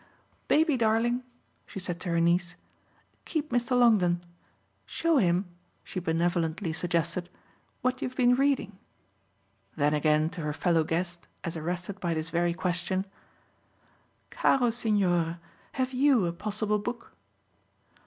Baby darling," she said to her niece, "keep Mr. Longdon. Show him," she benevolently suggested, "what you've been reading." Then again to her fellow guest, as arrested by this very question: "Caro signore, have YOU a possible book?"